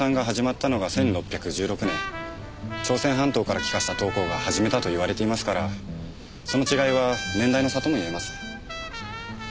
朝鮮半島から帰化した陶工が始めたといわれていますからその違いは年代の差ともいえます。